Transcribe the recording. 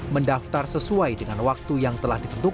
mendaftar sesuai dengan waktu yang telah ditentukan